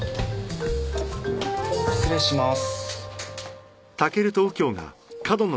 失礼します。